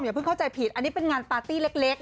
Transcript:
เพิ่งเข้าใจผิดอันนี้เป็นงานปาร์ตี้เล็ก